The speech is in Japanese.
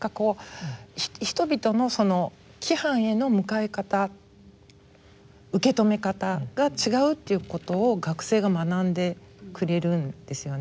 人々の規範への向かい方受け止め方が違うっていうことを学生が学んでくれるんですよね。